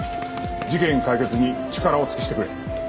事件解決に力を尽くしてくれ。